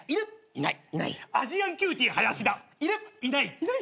いない。